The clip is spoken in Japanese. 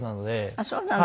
あっそうなの。